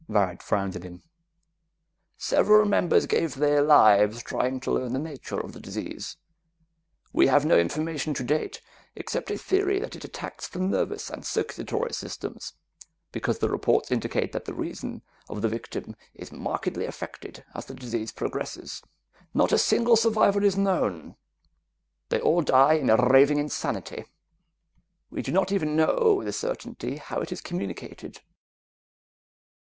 Varret frowned at him. "Several members gave their lives trying to learn the nature of the disease. We have no information to date, except a theory that it attacks the nervous and circulatory systems, because the reports indicate that the reason of the victim is markedly affected as the disease progresses. Not a single survivor is known they all die in raving insanity. We do not even know with certainty how it is communicated."